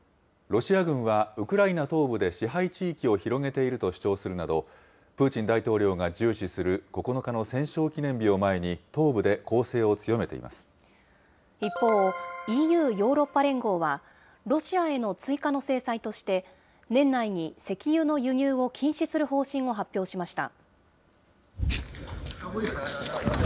ロシア軍はウクライナ東部で支配地域を広げていると主張するなど、プーチン大統領が重視する９日の戦勝記念日を前に、東部で攻勢を一方、ＥＵ・ヨーロッパ連合は、ロシアへの追加の制裁として、年内に石油の輸入を禁止する方針を発表しました。